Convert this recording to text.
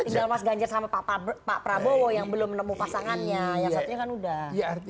tinggal mas ganjar sama pak prabowo yang belum menemu pasangannya yang satunya kan udah